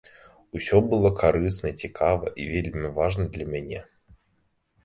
Усё было карысна, цікава і вельмі важна для мяне.